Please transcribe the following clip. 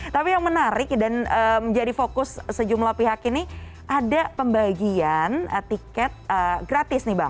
tapi yang menarik dan menjadi fokus sejumlah pihak ini ada pembagian tiket gratis nih bang